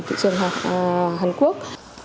thị trường hàn quốc